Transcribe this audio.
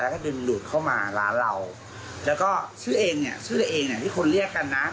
แล้วก็ดึงหลุดเข้ามาร้านเราแล้วก็ชื่อเองเนี่ยชื่อเราเองเนี่ยที่คนเรียกกันนะ